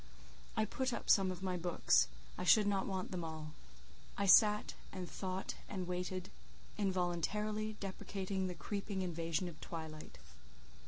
I put up some of my books; I should not want them all; I sat and thought; and waited, involuntarily deprecating the creeping invasion of twilight.